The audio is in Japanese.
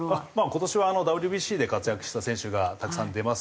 今年はＷＢＣで活躍した選手がたくさん出ますし。